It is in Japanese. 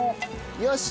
よし！